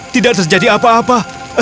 tidak terjadi apa apa